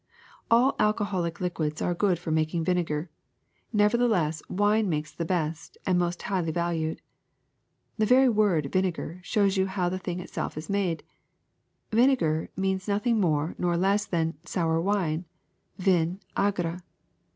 All al coholic liquids are good for making vinegar ; never theless wine makes the best and most highly valued. The very word vinegar shows you how the thing itself is made, ^vinegar' meaning nothing more nor less than ^sour wine' — vin aigre."